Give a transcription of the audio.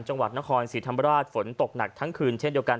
จังหวัดนครศรีธรรมราชฝนตกหนักทั้งคืนเช่นเดียวกัน